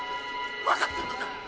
分かってるのか？